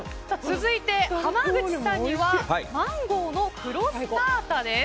続いて、濱口さんにはマンゴーのクロスタータです。